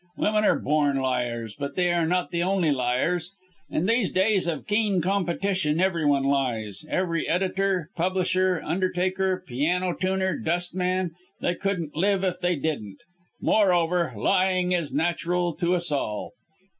Women are born liars, but they are not the only liars. In these days of keen competition every one lies every editor, publisher, undertaker, piano tuner, dustman they couldn't live if they didn't. Moreover lying is natural to us all.